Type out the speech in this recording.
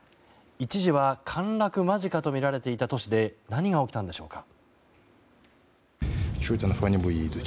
一時は陥落間近とみられていた都市で何が起きたのでしょうか。